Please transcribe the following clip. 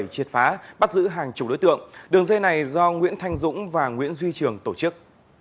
triệt phá bắt giữ hàng chục đối tượng đường dây này do nguyễn thanh dũng và nguyễn duy trường tổ chức